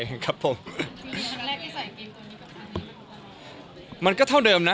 ยวนกันไปเล่นมันก็ไปเท่าเดิมนะ